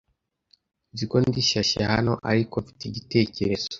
Nzi ko ndi shyashya hano, ariko mfite igitekerezo.